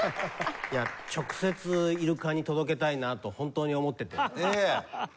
直接イルカに届けたいなと本当に思ってて。